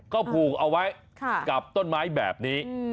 ก็ผูกเอาไว้กับต้นไม้แบบนี้